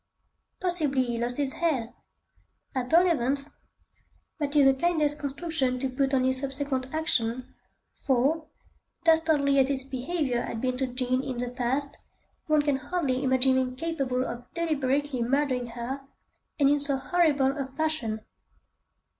Possibly he lost his head! At all events, that is the kindest construction to put on his subsequent action, for, dastardly as his behaviour had been to Jean in the past, one can hardly imagine him capable of deliberately murdering her, and in so horrible a fashion.